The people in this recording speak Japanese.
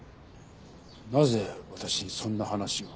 なぜ私にそんな話を？